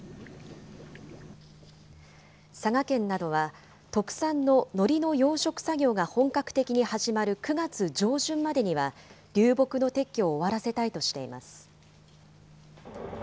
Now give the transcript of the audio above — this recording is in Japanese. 佐賀県などは、特産ののりの養殖作業が本格的に始まる９月上旬までには、流木の撤去を終わらせたいとしています。